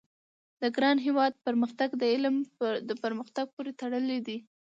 د ګران هېواد پرمختګ د علم د پرمختګ پوري تړلی دی